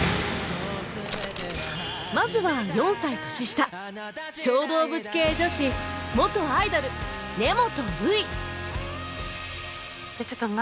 まずは４歳年下小動物系女子元アイドル根本羽衣